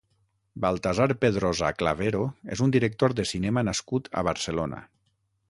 Baltasar Pedrosa Clavero és un director de cinema nascut a Barcelona.